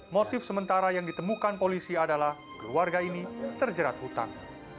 motif sementara yang ditemukan polisi adalah keluarga ini terjerat hutang